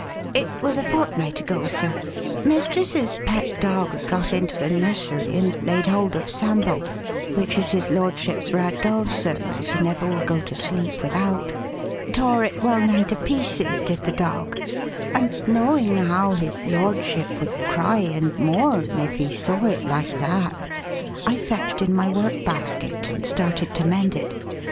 It was a fortnight ago, sir. Mistress' pet dog had got into the nursery and laid hold of Sambo which is his lordship's rag doll, sir, as he never will go to sleep without tore it well nigh to pieces did the dog; and knowing how his lordship would cry and mourn if he saw it like that, I fetched in my work basket and started to mend it.